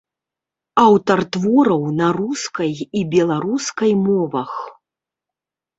Аўтар твораў на рускай і беларускай мовах.